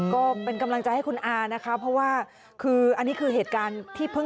ใจเย็นใจเย็นใจเย็นใจเย็นใจเย็นใจเย็นใจเย็นใจเย็นใจเย็นใจเย็น